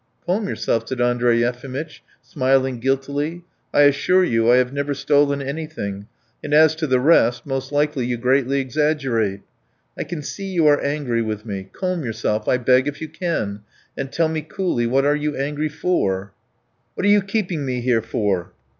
"Calm yourself," said Andrey Yefimitch, smiling guiltily. "I assure you I have never stolen anything; and as to the rest, most likely you greatly exaggerate. I see you are angry with me. Calm yourself, I beg, if you can, and tell me coolly what are you angry for?" "What are you keeping me here for?"